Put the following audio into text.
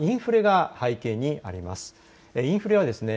これはインフレが背景にあります。